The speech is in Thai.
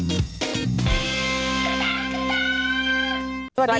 โปรดติดตามตอนต่อไป